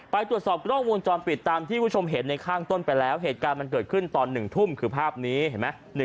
ไปตรวจสอบกล้องวงจรปิดตามที่คุณผู้ชมเห็นในข้างต้นไปแล้วเหตุการณ์มันเกิดขึ้นตอน๑ทุ่มคือภาพนี้เห็นไหม